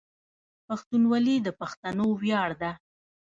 پښتونولي د پښتنو ویاړ ده.